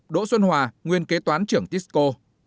năm đỗ xuân hòa nguyên kế toán trưởng tisco